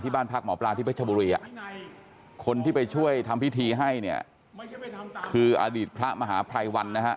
บ้านพักหมอปลาที่เพชรบุรีคนที่ไปช่วยทำพิธีให้เนี่ยคืออดีตพระมหาภัยวันนะฮะ